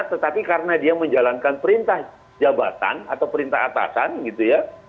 tetapi karena dia menjalankan perintah jabatan atau perintah atasan gitu ya